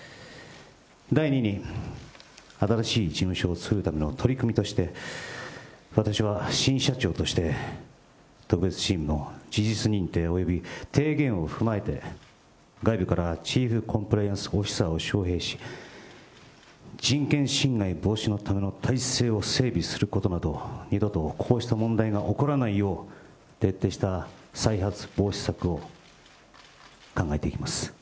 第２に、新しい事務所を作るための取り組みとして、私は新社長として、特別チームの事実認定および提言を踏まえて、外部からチーフコンプライアンスオフィサーを招へいし、人権侵害防止のための体制を整備することなど、二度とこうした問題が起こらないよう、徹底した再発防止策を考えていきます。